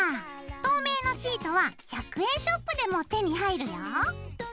透明のシートは１００円ショップでも手に入るよ。